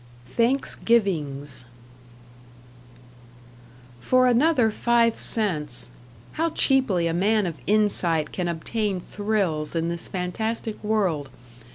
#Thanksgivings# For another five cents how cheaply a man of insight can obtain thrills in this fantastic world!